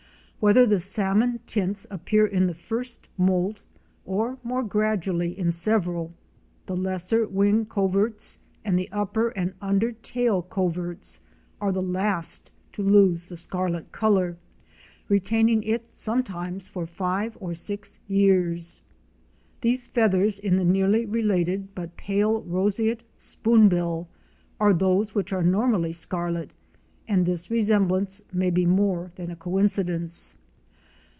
Whether the salmon tints appear in the first moult, or more gradually in several, the lesser wing coverts and the upper and under tail coverts are the last to loose the scarlet color, retaining it sometimes for five or six years. These feathers in the nearly related but pale Roseate Spoonbill are those which are normally scarlet, and this resemblance may be more than a coincidence.